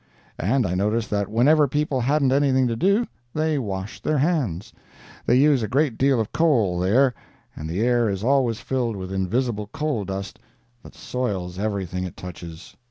And I noticed that whenever people hadn't anything to do, they washed their hands. They use a great deal of coal there, and the air is always filled with invisible coal dust that soils everything it touches.